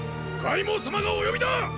凱孟様がお呼びだ！